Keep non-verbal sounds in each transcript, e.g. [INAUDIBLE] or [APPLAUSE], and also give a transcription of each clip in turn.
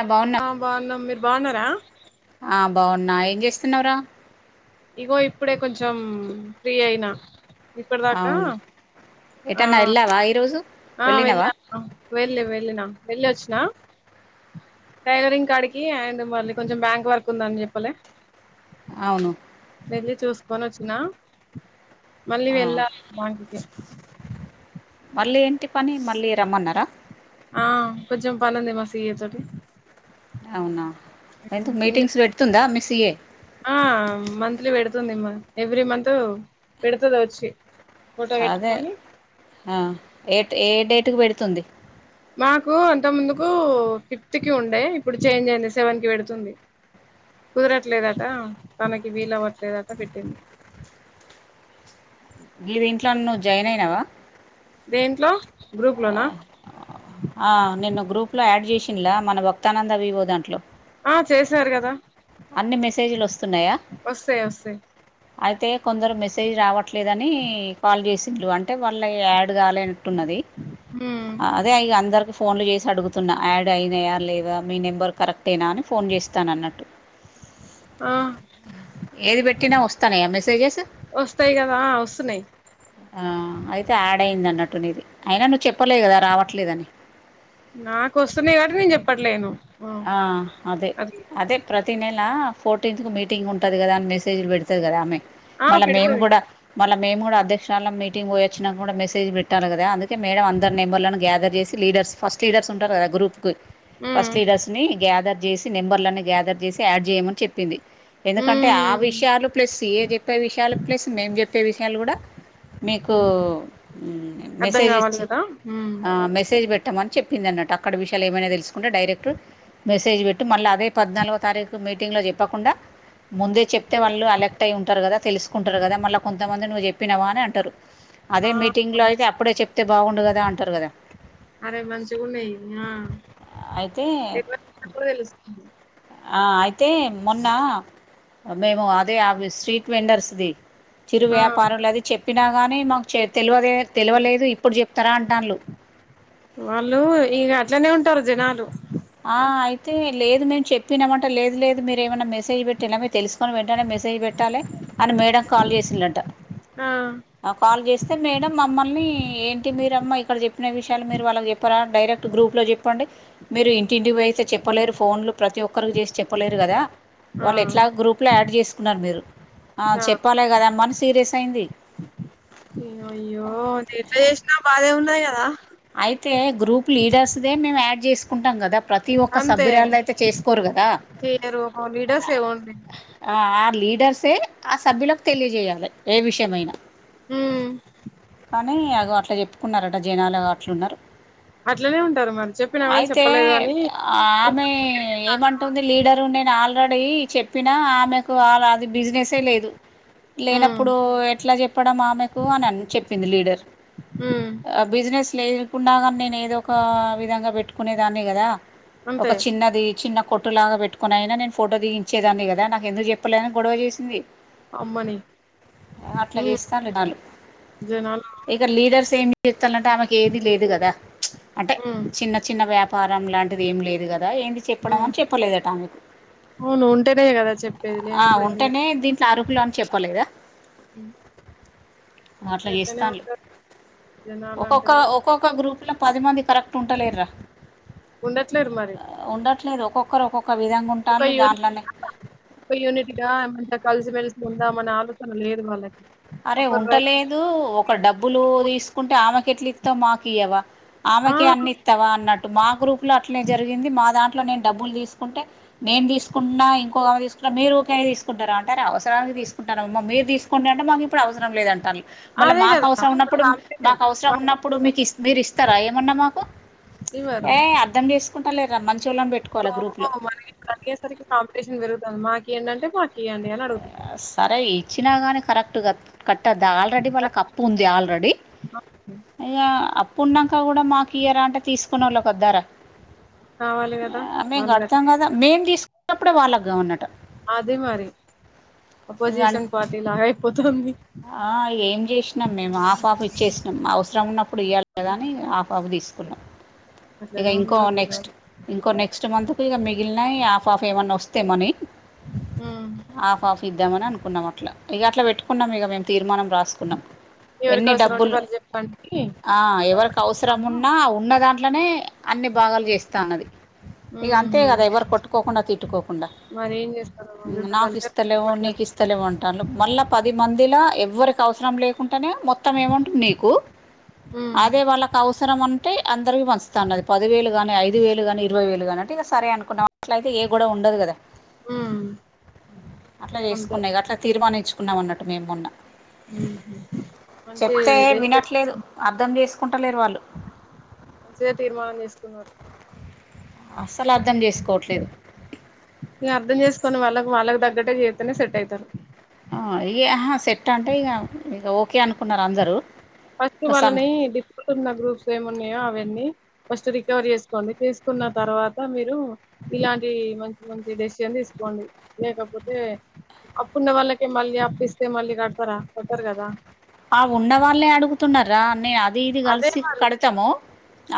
ఆ బన్ బాగున్నా మీరు బాగున్నర ఆ బాగున్నా ఏం చేస్తున్నవ్రా ఇగో ఇప్పుడే కొంచెం ఫ్రీ అయిన ఇప్పటిదాకా ఏటన్న లెల్లవ ఈ రోజు ఆ వెళ్ళా వెళ్ళి వెళ్ళిన వెళ్ళొచ్చిన టైలరింగ్ కాడికి అండ్ మళ్ళీ కొంచెం బ్యాంక్ వర్క్ ఉందని చెప్పలే అవును వెళ్ళి చూసుకొనోచ్చినా ఆ మళ్ళీ ఏంటి పని మళ్ళీ రమ్మన్నరా ఆ కొంచెం పనంది మా సీయే తోటి అవునా ఎందుకు ఏం చేస్ మీటింగ్స్ పెడుతుందా మీ సియే ఆ మంత్లీ పెడుతుంది అమ్మ ఎవ్రీ మంత్ పెడుతుందోచ్చి అదే ఆ ఏ ఏ డేట్కి పెడుతుంది మాకు అంత ముందుకు ఫిఫ్త్కి ఉండే ఇప్పుడు చేంజ్ అయింది సెవెన్కి పెడుతుంది కుదరట్లేదట తనకి వీలవ్వట్లేదట పెట్టింది మీది ఇంట్లో నువ్వు జాయినయినవా దేంట్లో గ్రూప్ లోనా ఆ నిన్న గ్రూప్లో యాడ్ చేసిల్లా మన భక్తానంద వీవో దాంట్లో ఆ చేశారు కదా అన్ని మెసేజీలోస్తున్నయా వస్తాయి వస్తాయి అయితే కొందరు మెసేజ్ రావట్లేదని కాల్ జేసిన్లు అంటే వాళ్ళయాడ్ కాలేనట్ ట్టున్నది హ్మ్ అదే ఇగ అందర్కు ఫోన్లు జేసి అడుగుతున్న యాడ్ అయినయా లేద మీ నెంబర్ కరెక్టెనా అని ఫోన్ జేస్తానన్నట్టు ఆ ఏది పెట్టినా వస్తానయా మెసేజెస్ వస్తయి గదా వస్తున్నయి ఆ అయితే యాడ్ అయిందన్నట్టు నీది అయినా నువ్వు చెప్పలేదు కదా రావట్లేదని నాకొస్తున్నాయి కాబట్టి నేను చెప్పట్లేను ఆ అదే అది అదే ప్రతి నెలా ఫోర్టీన్త్ కు మీటింగ్ ఉంటది కదా అని మెసేజ్ లు పెడుతది కదా ఆమె ఆ మళ్ళ మేము పెడతది కూడా మళ్ళ మేము అద్యక్షహాళ్ళ మీటింగ్ కు పోయి వచ్చినా కూడ మెసజ్ పెట్టాలె కదా అందుకే మేడం అందరు నెంబర్లను గ్యాదర్ చేసి లీడర్స్ ఫస్ట్ లీడర్స్ ఉంటరు కద గ్రూప్ కి హ్మ్ స్లీడర్స్ ని గ్యాదర్ జేసి నెంబర్లన్ని గ్యాదర్ జేసి యాడ్ చేయమని చెప్పింది ఎందుకంటే ఆ హ్మ్ విషయాలు ప్లస్ ఈడ్ చెప్పే విషయాలు ప్లస్ మేము జెప్ ప్పే విషయాలు గూడా మీకూ మ్ అర్థం మెసేజ్ కావాలి ఇచ్చి కదా హ్మ్ ఆ మెసేజ్ పెట్టమని చెప్పిందన్నట్టు అక్కడ విషయాలు ఏమైనా తెలుసుకుంటే డైరెక్ట్ మెసేజ్ పెట్టు మల్ల అదే పద్నాలుగో తారీకు మీటింగ్ లో చెప్పకుండ ముందే చెప్ తే వాళ్ళు అలెక్ట్ అయి ఉంటరు కదా తెలుసుకుంటరు కదా మళ్ళ కొంతమంది నువ్వు చెప్పినవా అని అంటరు ఆ అదే మీటింగ్ లో అయితే అప్పుడే చెప్తే బాగుండు కదా అంటరు కదా అరే మంచిగున్నయి ఇవి ఆ తే తెల్వకుండా కూడా తెలుస్తుంది ఆ అయితే మొన్నా మేము అదే అవి స్ట్రీట్ వెండర్స్ ది చిరు ఆ వ్యాపారులది చెప్పినా గాని మాకు చె తెలువదే తెలవలేదు ఇప్పుడు చెప్తరా అంటాన్లు వాళ్లూ ఇగ అట్లనే ఉంటరు జనాలు ఆ అయితే లేదు మేము చెప్పినమంటె లేదు లేదు మీరేమన్న మెసేజ్ పెట్ ట్టిన్న మీరు తెలుసుకొని వెంటనే మెసేజ్ పెట్టాలి అని మేడం కాల్ చేసిల్లంట ఆ కాల్ జేస్తే మేడం మమ్మల్ని ఏంటి మీరమ్మ ఇక్కడ చెప్పిన విషయాలు మీరు వాళ్ళకి చెప్ ప్తరా డైరెక్ట్ గ్రూప్లో చెప్పండి మీరు ఇంటింటికి ఇట్ల చెప్పలేరు ఫోన్లు ప్రతి ఒక్ ఒక్కరికి చేసి చెప్పలేరు గదా ఆ వాళ్ళు ఎట్లాగొ గ్రూప్ల యాడ్ చేసుకున్నరు మీరు ఆ చెప్పాలె గదమ్మ అని సీరియస్ అయింది ఏమయ్యో ఎట్ల చేసినా బాధే ఉన్నది కదా అయితే గ్రూప్ లీడర్స్ దే మేము యాడ్ జేసుకుంటాం కదా ప్రతి ఒక్క అంతే సభ్యురాల్లయితే చేసుకోరు గదా చెయ్యరు లీడర్స్ ఏ ఓన్లీ ఆ ఆ లీడర్సే ఆ సభ్యులకు తెలియజేయాలి ఏ విషయమైనా ఉమ్ కనీ అగొ అట్లా చెప్పుకున్నరట జనాలు అగో అట్లున్నరు అట్లనే ఉంటరు మరి చెప్పినా గూడ చెప్పలేదు అని ఆమె ఏ ఏమంటుంది లీడరు నేను ఆల్రెడీ చెప్పినా ఆమె కు ఆల అది బిజినెసే లేదు ఉమ్ లేనప్పుడూ ఎట్ల చెప్పడం ఆమెకు అని అని చెప్పింది లీడర్ ఉమ్ ఆ బిజినెస్ లేకున్నా గానీ నేను ఏదో ఒక విధంగా పెట్టుకునేదాన్ని కదా ఒక అంతే చిన్నది చిన్న కొట్టు లాగ పెట్టుకొని అయినా నేను ఫోటో దిగి ఇచేదాన్ని కదా నాకు ఎందుకు చెప్పలేదని గొడవ చేసింది అమ్మనీ అట్లా ఉమ్ చేస్తాను జనాలు జనాలు ఇక లీడర్స్ ఏమి చెస్తాలంటే ఆమెకి ఏది లేదు కదా అంటే ఉమ్ చిన్న చిన్న వ్యాపారం లాంటిది ఏం లేదు కదా ఏం చేపడమా ఉమ్ చెప్పలేదట ఆమెకు అవును ఉంటేనే కదా చెప్పేది ఆ లేనప్పుడు ఎందుకు ఉంటనే థిన్ సరూలో అన్ చెప్పలేదా ఉమ్ అట్ల గట్లనే చేస్తాన్లు ఉంటారు జనాలు ఒక్కొక్క అంటేనే అట్లా ఒక్కొక్క గ్రూప్ల పదిమంది కరెక్ట్ ఉంటలేరుర ఉండట్లేరు మరి ఉండట్లేదు ఒక్కొక్కరు ఒక్కొక్క విధంగు ఒక యూ యూనిట్గా ఏమంత కలిసిమెలిసి ఉందామని ఆలోచన లేదు వాళ్ళకి అరే ఒకరు రైట్ ఉంటలేదు ఒక డబ్బులు తీసుకుంటే ఆమెకెట్లు ఇత్తవు మాకియవా ఆమెకే ఆ అన్ని ఇత్తవ అన్నట్టు మా గ్రూప్ లో అట్లనే జరిగింది మా దాంట్లో నేను డబ్బులు తీసుకుంటే నేను తీసుకున్నా ఇంకోక తీసుకున్నా మీరు ఊకే తీసుకుంటారా అంటార అవసరా తీసుకుంటారా అమ్మ మీరు తీసుకుండి అంటే మాకిప్ ప్పుడు అవసరం లేదంటాళ్ళు మళ్ళీ అదే మాకు కదా అవసరం ఇప్పుడు ఉన్నప్పుడు కాంపిటీషన్ మాకు అవసరం ఉన్నప్పుడు అప్పుడు మీకు ఇ మీరు ఇస్తారా ఏమన్నా మాకు ఇవ్వరు ఏ అర్థం చేసుకుంటలేర మ్మచోళని పెట్టుకు ఓహో మరి తడిగేసరికి కాంపిటీషన్ పెరుగుతుంది మాక ఏంటంటే మాకు సరే ఇచ్చినా కానీ కరెక్ట్గా కట్టది ఆల్రెడీ వాళ్ళ అప్పు ఉంది ఆల్రెడీ అయ్యా అప్పున్నాక కూడా మాకియరా అంటె తీసుకునే వాళ్ళు కొద్దారా కావాలి కదా వాళ్ళు గట్ కడతాం కదా మేము తీసుకున్నప్పుడే వాళ్ళక్గావల్న్నట అదే మరి అపోజిషన్ పార్టీ లాగ అయిపోతుంది ఆ ఏం చేసినాం మేము హాఫ్ ఆఫ్ ఇచ్చేసినాం అవసరం ఉన్నప్పుడు ఇయలి కదా అని హాఫ్ ఆఫ్ తీసుకున్నాం ఇక అట్లనే ఇంకో ఉన్నారు నెక్స్ట్ జనాలు ఇంకో నెక్స్ట్ మంత్కి ఇగ మిగిలినయి ఆఫ్ ఆఫ్ ఏమైన్నా వస్తే మనీ ఆ ఆఫ్ ఆఫ్ ఇద్దామని అనుకున్నాం అట్లా ఇక అట్లా పెట్టుకున్నాం ఇక మే తీర్మానం రాస్ సుకున్నాం ఎవరికి ఎన్ని అవసరం ఉంటే డబ్బులు వాళ్ళు చెప్పండి ఆ ఎవరికి తప్పకుండా. అవసరమున్నా ఉన్న దాంట్లనే అన్ని భాగాలు చేస్తన్నది ఇక అంతే ఉమ్ కదా ఎవరు కొట్టుకోకుండా తిట్టుకోకుండా మరి ఏం చేస్తారు యుద్ధ నాకు ఇష్ తలకాయ స్తలే మైనస్. నీకు ఇస్తలే ఉంటాలు మళ్ళీ పది మందిలో ఎవ్వరికి అవసరం లేకుంటనే మొత్ తనెంటుందినీకు ఉమ్ అదే వాళ అవస టే అందరికి పంచుతా అన్నది పదివేలు కానీ ఐదు వేలు కానీ ఇరవై వేలు కాని అం ఇగ సరే అనుకున్నాం అట్లయితే ఏ గొడవ ఉండదు కదా ఉమ్ అట్ల అంతే చేసుకున్నాయి అట్లా తీర్మానిచ్చుకున్నమన్నట్టు మేము మొన్న ఉహు మంచి చెప్తే రెస్ట్ వినట్లేదు అర్థం చేసుకుంటలేరు వాళ్ళు మంచిగా తీర్మానం చేసుకున్నరు అసలర్ధం చేసుకోవట్లేదు ఇగర్థం చేసుకుని వాళ్ళ వాళ్ళకు తగ్గటే చేస్తనే సెటయితరు ఆ ఇగ సెట్ అంటే ఇగ ఓకే అనుకున్నరు అందరూ ఫస్ట్ ఇగ సం వాళ్ళని డిఫెంట్ ఉన్న గ్రూప్స్ ఏమి ఉన్నయో అవన్నీ ఫస్ట్ రికవరీ చేసుకోండి చేసుకున్న తర్వాత మీరు ఇలాంటి మంచి మంచి డెసిషన్ తీసుకోండి లేకపోతే అప్పున్న వాళ్ళకే మళ్ళీ అప్పిస్తే మళ్ళీ కడతరా కట్టరు కదా ఆ ఉన్న వాళ్ళే అడుగుతున్నరా నేను అది ఇది అదే కలిసి మరి కడతాము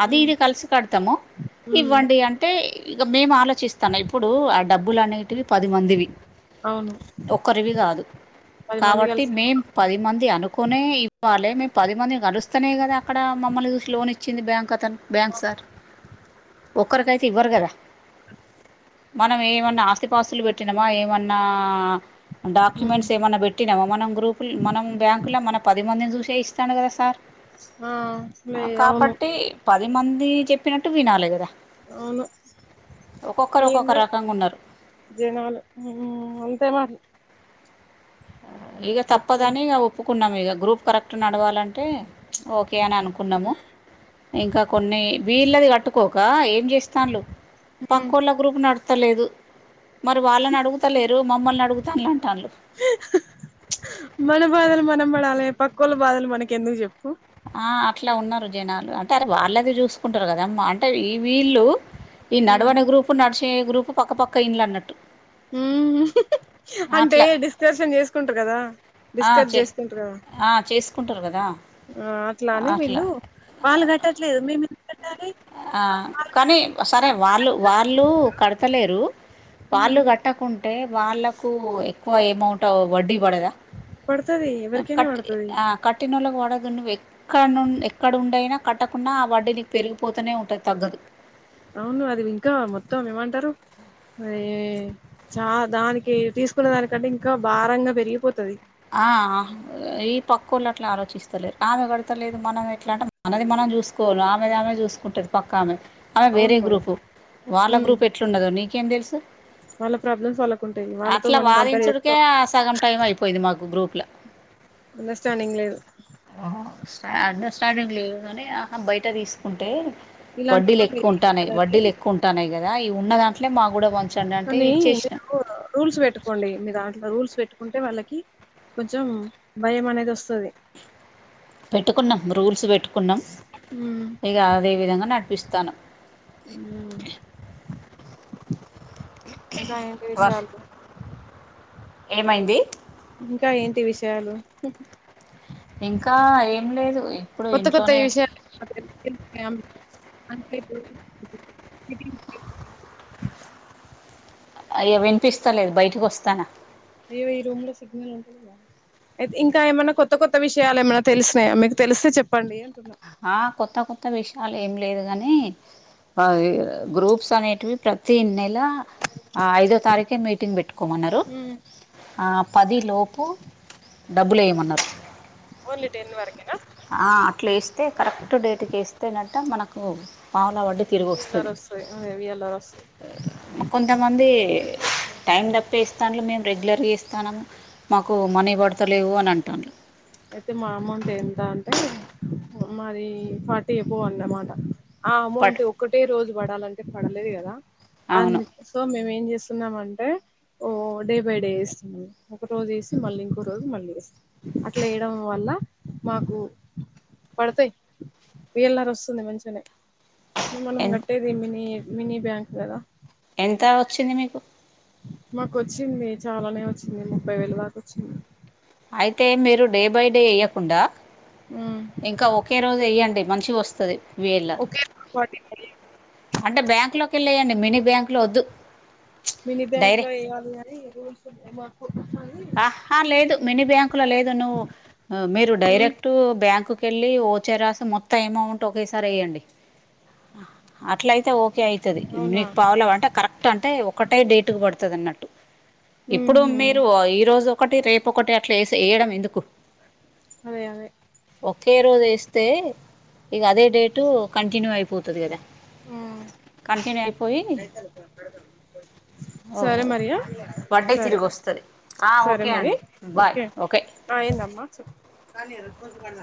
అది ఉమ్ ఇది కలిసి కడతాము ఉమ్ ఇవ్వండి అంటే అంటే ఇ మేము ఆలోచిస్తాను ఇప్పుడు ఆ డబ్బులు అనేవి [UNINTELLIGIBLE] పదిమందివి అవును ఒకరివి కాదు పది మంది కాబట్టి కలిసి మేం పది మంది అనుకునే ఇవ్వాలి మేము పది మందినీ కలస్తూనే కదా ఇక్కడ మమ్మల్ని చూసి లోన్ ఇచ్చింది బ్యాంక్ అతను బ్యాంక్ సార్ ఒక్కరికైతే ఇవ్వరు కదా మనం ఏమన్నా ఆస్తిపాస్తులు పెట్టినామా ఏమన్నా ఉమ్ డాక్యుమెంట్స్ ఏమన్నా పెట్టినామ మనం గ్రూపు మనం బ్యాంక్ [UNINTELLIGIBLE] మన పది మందిని చూసే ఇస్తాను కదా సార్ ఆ మే అవును కాబట్టి పది మంది చెప్పినట్టు వినాలి కదా అవును ఒక్కొక్కరు ఒక్కొక్క ఏందో రకంగా ఉన్నారు జనాలు హ్మ్ అంతే మరి ఇక చెప్తే తప్పదని ఇక ఒప్పుకున్నాం ఇక గ్రూప్ కరెక్ట్ నడవాలంటే ఓకే అని అనుకున్నాము ఇంకా కొన్ని వీళ్ళది కట్టుకోక ఏం చేస్తాండ్లు ఉమ్ పక్క వాళ్ళ గ్రూప్ నడతలేదు మరి వాళ్ళని అడుగుతలేరు మమ్మల్ని అడుగుతాను అంట వాళు మన బాధలు మనం పడాలి పకోళ్ళ బాధలు మనకి ఎందుకు చెప్పు ఆ అట్లా ఉన్నారు జనాలు అంటే అది వాళ్ళది చూసుకుంటారు కదా అమ్మా అంటే ఈ వీళ్ళు ఈ నడవని గ్రూపు నడిచే గ్రూపు పక్కపక్కన ఇండ్లు అన్నట్టు ఉ అంటే అట్లా డిస్కషన్ చేసుకుంటారు కదా ఆ డిస్కస్ చే చేసుకుంటారు కద ఆ చేసుకుంటారు కదా ఆ అట్లా అని వీళ్ళు వాళ్ళు కట్టట్లేదు మేము ఎందుకు కట్టాలి ఆ కానీ సరే వాళ్ళు వాళ్ళు కడతలేరు వాళ్ళు మ్మ్ కట్ట కట్టకుంటే వాళ్ళలకు ఎక్కువ ఏమౌంట్ వడ్డీ పడదా పడుతది ఎవరికైనా కట్ పడుతది ఆ కట్ కట్టినోళ్లకు అడగ నువ్వు ఎక్కడ నుం ఎక్కడ ఉండైనా కట్టకుండా ఆ వడ్డీని పెరుగు పోతనే ఉంటంది తగ్గదు అవును అది ఇంకా మొత్తం ఏమంటారు అరే చా దానికి తీసుకున్న దానికంటే ఇంకా భారంగా పెరిగిపోతది ఆ ఈ పక్క వాళ్ళ అట్లా ఆలోచిస్తలేరు ఆమె కడతలేదు మనం ఎట్లా అంటే మనది మనం చూస్ కోను ఆమెది ఆమె చూసుకుంటది పక్కామె అమె వేరే అవును మరి గ్రూపు వాళ్ళ మ్మ్ గ్రూప్ ఎట్లుండదో నీకేం తెలుసు వాళ్ళ ప్రాబ్లమ్స్ వాళ్ళకు ఉంటాయి వాళ్ళతో అట్లా మనం కంపేర్ వాదించుడికే చేసుకో సగం టైం అయిపో పోయిది మాకు గ్రూలో అండర్స్టాండింగ్ లేదు హ స్ట అండర్స్టాండింగ్ లేదు కాని ఆహ బయట తీసుకుంటే వడ్డీలు ఇలాంటప్పుడు ఎక్కువ మీరు ఏం ఉంటాన్నాయి వడ్డీలు చేయాలంటే ఎక్కువ ఉంటాన్నాయి కదా ఈవి ఉన్న దాంట్లో మాకు కూడా మంచి కోని మీరు రూల్స్ పెట్టుకోండి మీరు దాంట్లో రూల్స్ పెట్టుకుంటే వాళ్ళకి కొంచెం భయం అనేది వస్తది పెట్టుకున్నాం రూల్స్ పెట్టుకున్నాం ఉమ్ ఇక అదే విధంగా నడిపిస్తానం హ్మ్ ఇంకా ఏంటి విషయాలు ఏమైంది ఇంకా ఏంటి విషయాలు ఇంకా ఏం లేదు ఇప్పుడు కొత్త కొత్త ఇంట్లోనే [UNINTELLIGIBLE] అయ వినిపిస్తా లేదు బయటికి వస్తానా అయ్యో ఈ రూమ్ లో సిగ్నల్ ఉంటలేదు అయితే ఇంకా ఏమైన్నా కొత్త కొత్త విషయాలు ఏమైన్నా తెలిసినాయా మీకు తెలిస్తే చెప్పండి అంటున్నా ఆ కొత్త కొత్త విషయాలు ఏం లేదు గాని అవి గ్రూప్స్ అనేటివి ప్రతి నెల ఐదో తారీఖే మీటింగ్ పెట్టుకోమన్నరు ఉ ఆ పది లోపు డబ్బులు ఏయమన్నారు ఓన్లీ టెన్ వరకేనా ఆ అట్లా వేస్తే కరెక్ట్ డేట్కి వేస్తేనట మనకు పాములు వడ్డీ తిరిగి వి ఎల్ వస్తది రస్ అదే వి ఎల్ ఆ రస్ కొంతమంది టైం తప్పే ఇస్తాంన్లు మేము రెగ్యులర్గా ఇస్తానము. మాకు మనీ పడతలేవు అని అంటున్లు అయితే మా అమౌంట్ ఎంత అంటే మది ఫార్టీ ఏబౌ అన్నమాట ఆ బట్ అమౌంట్ ఒకటే రోజు పడాలంటే పడలేదు కదా అంద్ అవును సో మేము ఏం చేస్తున్నామంటే ఓ డే బై డే ఒక రోజు వేసి మళ్ళీ ఇంకో రోజు మళ్ళీస్తాం అట్లా ఏయడం వల్ల మాకు పడతాయి వీళనారు వస్తుంది మంచిగానే మనం ఎన్ గట్టేది మినీ మినీ బ్యాంక్ కదా ఎంత వచ్చింది మీకు మాకు వచ్చింది చాలానే వచ్చింది ముప్పై వేల దాకా వచ్చింది. అయితే మీరు డే బై డే ఏయ్యకుండా ఇంకా ఒకే రోజు ఏయ్యండి మంచిగా వస్తది వేళ కోటి ఇల్ అంటే బ్యాంకులోకి వెల్లేయండి మినీ బ్యాంకులో వద్దు మిని బ్యాంక్ లో డైరెక్ట్ ఏయ్యాలి అని రూల్స్ ఉంటాయి వర్క్ ఆహా లేదు మినీ బ్యాంకుల లేదు నువ్వు మీరు డైరెక్ట్ బ్యాంకు కెళ్ళి ఓ చరాసి మొత్తం అమౌంట్ ఒకేసారి ఏయండి అట్ల అయితే ఓకే అయ్ తది అవునా మీకు పావల అంటే కరెక్ట్ అంటే ఒకటే డేటుకు పడుతుంది అన్నట్టు ఇప్పుడు మీరు ఈరోజు ఒకటి రేపు ఒకటి అట్లా ఎస్ ఏయడం ఎందుకు అదే అదే ఒకే రోజు ఏస్తే ఇగ అదే డేటు కంటిన్యూ అయిపోతది కదా ఆ కంటిన్యూ అయిపోయి ఓ సరే మరియా వడ్డే సరే తిరిగి వస్తది ఓకే అండి బాయ్ ఓకే ఆ ఇందమ్మ చెప్